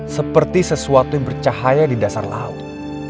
seperti sesuatu yang bercahaya di dasar laut